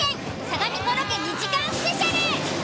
相模湖ロケ２時間スペシャル。